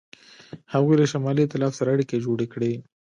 هغوی له شمالي ایتلاف سره اړیکې جوړې کړې.